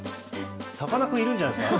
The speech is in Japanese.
さかなクン、いるんじゃないですか？